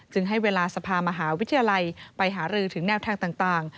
ให้เวลาสภามหาวิทยาลัยไปหารือถึงแนวทางต่าง